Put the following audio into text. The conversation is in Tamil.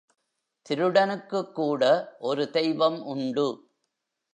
திருடனுக்குக் கூட ஒரு தெய்வம் உண்டு.